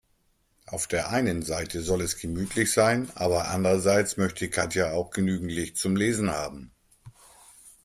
Auf der einen Seite soll es gemütlich sein, aber andererseits möchte Katja auch genügend Licht zum Lesen haben.